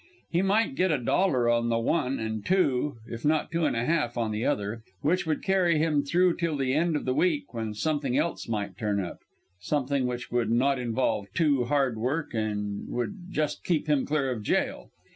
He might get a dollar on the one and two, if not two and a half, on the other; which would carry him through till the end of the week when something else might turn up something which would not involve too hard work and would just keep him clear of jail.